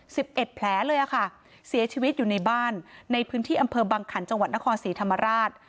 สิบเอ็ดแผลเลยอ่ะค่ะเสียชีวิตอยู่ในบ้านในพื้นที่อำเภอบังขันจังหวัดนครศรีธรรมราช